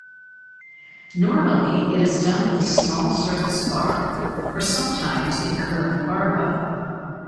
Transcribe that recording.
Normally it is done with a small surface bar or sometimes a curved barbell.